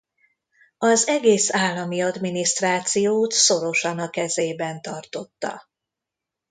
Az egész állami adminisztrációt szorosan a kezében tartotta.